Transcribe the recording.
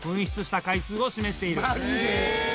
マジで？